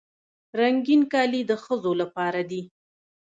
رنګین کالي د ښځو لپاره دي.